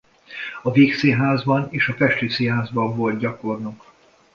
A Vígszínházban és a Pesti Színházban volt gyakornok.